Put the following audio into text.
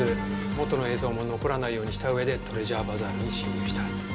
元の映像も残らないようにした上でトレジャーバザールに侵入した。